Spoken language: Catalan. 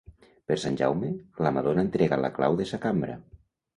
Per Sant Jaume, la madona entrega la clau de sa cambra.